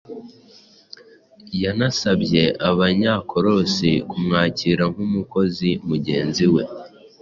Yanasabye Abanyakolosi kumwakira nk’umukozi mugenzi we